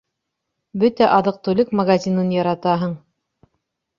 Бөтә аҙыҡ-түлек магазинын яратаһың...